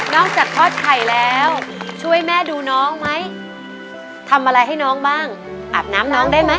อกจากทอดไข่แล้วช่วยแม่ดูน้องไหมทำอะไรให้น้องบ้างอาบน้ำน้องได้ไหม